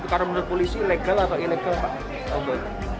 kalau menurut polisi legal atau ilegal pak